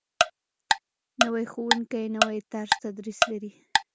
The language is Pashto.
نوی ښوونکی نوی طرز تدریس لري